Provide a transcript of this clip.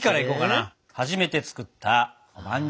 初めて作ったおまんじゅう。